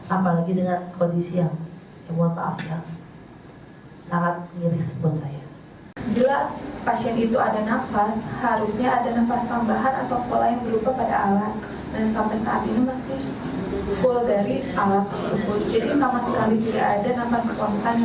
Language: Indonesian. apalagi dengan kondisi yang sangat mirip untuk saya